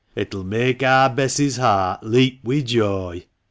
It'll mak' ar Bess's heart leap wi' joy."